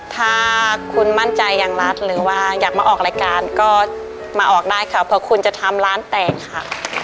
ถ้าคุณมั่นใจอย่างรัฐหรือว่าอยากมาออกรายการก็มาออกได้ค่ะเพราะคุณจะทำร้านแตกค่ะ